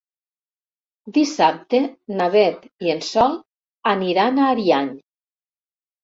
Dissabte na Beth i en Sol aniran a Ariany.